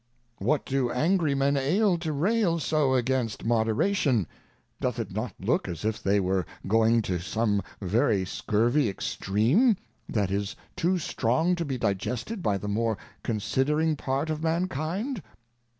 What do angry men ail to rail so against Moderation ; <loth it not look as if they were going to some very scurvy Extreme, that is too strong to be digested by the more considering part of Mankind?